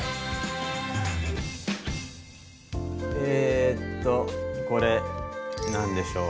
えとこれ何でしょう？